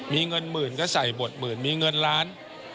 มีเงินหมื่นก็ใส่บทหมื่นมีเงินล้าน